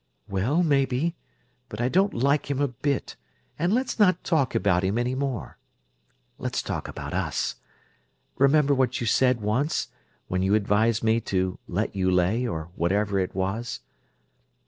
"Well, maybe, but I don't like him a bit, and let's not talk about him any more. Let's talk about us. Remember what you said once, when you advised me to 'let you lay,' or whatever it was?"